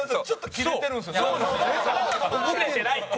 キレてないって！